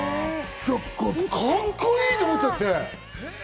カッコいいと思っちゃって。